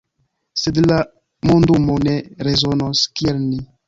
Sed la mondumo ne rezonos kiel ni.